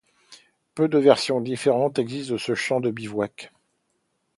Peu de versions différentes existent de ce chant de bivouac.